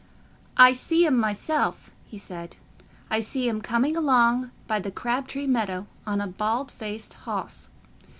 "I see him myself," he said; "I see him coming along by the Crab tree Meadow on a bald faced hoss.